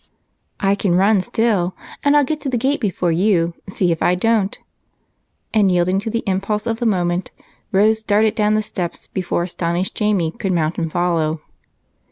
"I can run still and I'll get to the gate before you, see if I don't." And, yielding to the impulse of the moment, Rose darted down the steps before astonished Jamie could mount and follow.